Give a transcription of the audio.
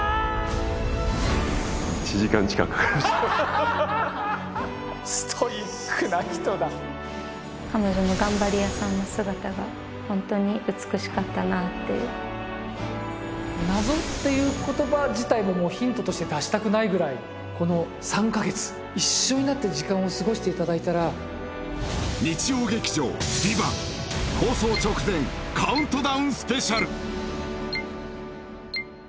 １時間近くかかりましたストイックな人だ彼女の頑張り屋さんな姿がホントに美しかったなって謎っていう言葉自体ももうヒントとして出したくないぐらいこの３か月一緒になって時間を過ごしていただいたら日曜劇場が今回ヴィヴァン何？